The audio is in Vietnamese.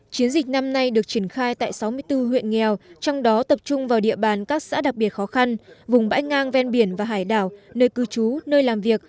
chiến dịch năm nay được triển khai tại sáu mươi bốn huyện nghèo trong đó tập trung vào địa bàn các xã đặc biệt khó khăn vùng bãi ngang ven biển và hải đảo nơi cư trú nơi làm việc